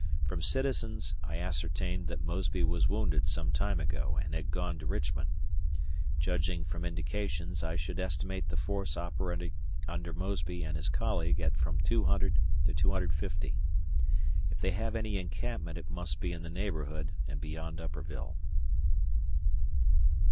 From citizens I ascertained that Mosby was wounded some time ago and had gone to Richmond. Judging from indications, I should estimate the force operating under Mosby and his colleague at from 200 to 250. If they have any encampment it must be in the neighborhood and beyond Upperville.